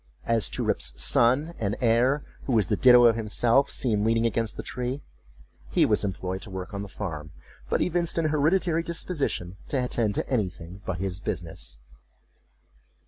As to Rip's son and heir, who was the ditto of himself, seen leaning against the tree, he was employed to work on the farm; but evinced an hereditary disposition to attend to anything else but his business.